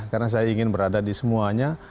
karena saya ingin berada di semuanya